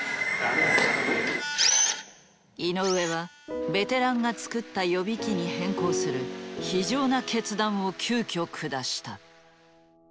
井上はベテランが作った予備機に変更する非情な決断を急きょ下した。